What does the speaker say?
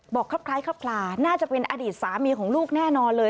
ครับคล้ายครับคลาน่าจะเป็นอดีตสามีของลูกแน่นอนเลย